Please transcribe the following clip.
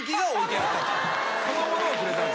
そのものをくれたんだ。